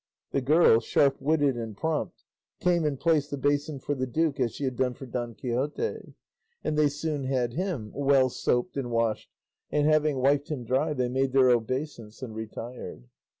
The girl, sharp witted and prompt, came and placed the basin for the duke as she had done for Don Quixote, and they soon had him well soaped and washed, and having wiped him dry they made their obeisance and retired.